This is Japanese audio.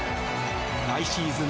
来シーズン